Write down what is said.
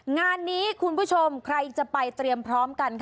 งานนี้คุณผู้ชมใครจะไปเตรียมพร้อมกันค่ะ